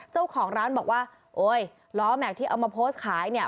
เจ้าของร้านบอกว่าโอ๊ยล้อแม็กซ์ที่เอามาโพสต์ขายเนี่ย